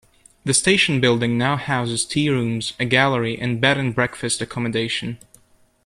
The station building now houses tea-rooms, a gallery and bed and breakfast accommodation.